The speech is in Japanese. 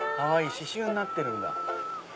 刺しゅうになってるんだ。